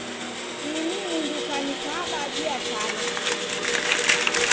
Ini mundu kanikaba diatana.